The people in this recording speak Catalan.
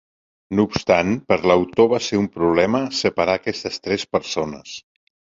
No obstant, per l'autor va ser un problema separar aquestes tres persones.